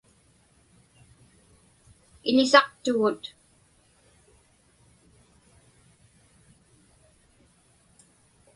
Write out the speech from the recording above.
Iḷisaqtugut.